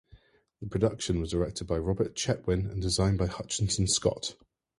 The production was directed by Robert Chetwyn and designed by Hutchinson Scott.